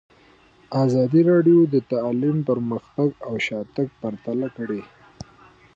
ازادي راډیو د تعلیم پرمختګ او شاتګ پرتله کړی.